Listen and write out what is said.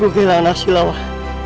gua gagal menangkap hasilnya wak